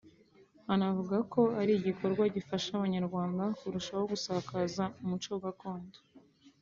anavuga ko ari igikorwa gifasha Abanyarwanda kurushaho gusakaza umuco gakondo